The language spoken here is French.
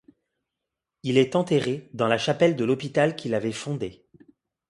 Il est enterré dans la chapelle de l'hôpital qu'il avait fondé.